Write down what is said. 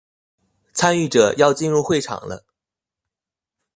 參與者要進入會場了